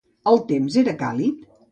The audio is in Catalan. El temps era càlid?